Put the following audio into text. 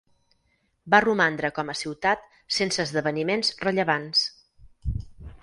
Va romandre com a ciutat sense esdeveniments rellevants.